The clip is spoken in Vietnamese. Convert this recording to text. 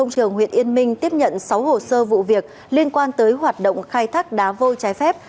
công trường huyện yên minh tiếp nhận sáu hồ sơ vụ việc liên quan tới hoạt động khai thác đá vôi trái phép